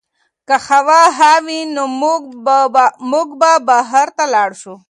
که هوا ښه وي نو موږ به بهر ته لاړ شو.